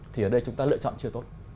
thì ở đây chúng ta lựa chọn chưa tốt